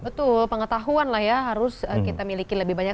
betul pengetahuan lah ya harus kita miliki lebih banyak